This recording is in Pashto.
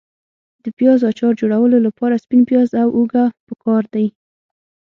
د پیاز اچار جوړولو لپاره سپین پیاز او هوګه پکار دي.